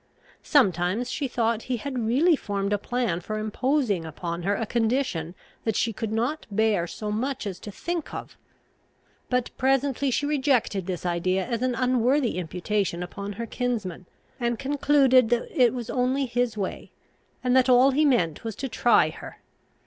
Sometimes she thought he had really formed a plan for imposing upon her a condition that she could not bear so much as to think of. But presently she rejected this idea as an unworthy imputation upon her kinsman, and concluded that it was only his way, and that all he meant was to try her.